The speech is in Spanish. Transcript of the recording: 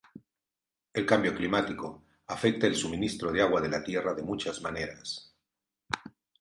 El cambio climático afecta el suministro de agua de la Tierra de muchas maneras.